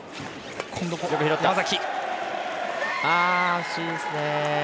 惜しいですね。